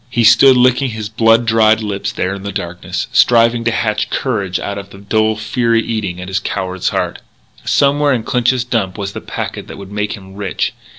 He stood licking his blood dried lips there in the darkness, striving to hatch courage out of the dull fury eating at a coward's heart. Somewhere in Clinch's Dump was the packet that would make him rich....